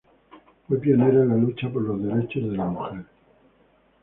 Fue pionera en la lucha por los derechos de la mujer.